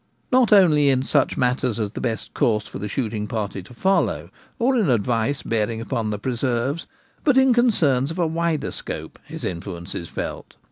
Not only in such matters as the best course for the shooting party to follow, or in advice bearing upon the preserves, but in concerns of a wider scope,, his influence is felt.